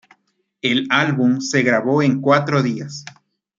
El álbum se grabó en cuatro días.